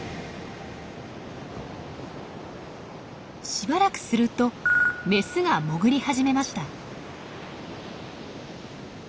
しばらくするとメスが潜り始めました。